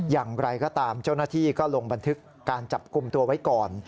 อย่างไรก็ตามเจ้าหน้าที่ก็ลงบันทึกการจับกลุ่มตัวไว้ก่อน